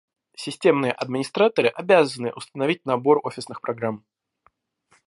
Системные администраторы обязаны установить набор офисных программ